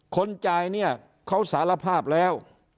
คนจ่ายก็สารภาพแล้ว